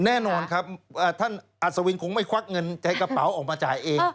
แน่นอนครับท่านอัศวินคงไม่ควักเงินใช้กระเป๋าออกมาจ่ายเอง